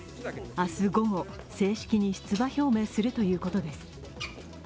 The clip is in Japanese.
明日午後、正式に出馬表明するということです。